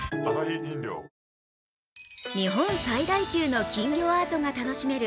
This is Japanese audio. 日本最大級の金魚アートが楽しめる